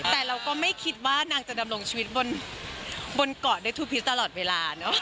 แต่เราก็ไม่คิดว่านางจะดำรงชีวิตบนเกาะได้ทูพิษตลอดเวลาเนอะ